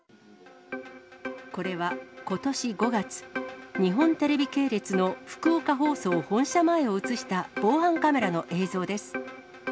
これはことし５月、日本テレビ系列の福岡放送本社前を写した防犯カメラの映像です。